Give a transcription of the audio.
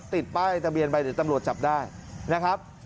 ติดป้ายทะเบียนไปเดี๋ยวตำรวจจับได้นะครับ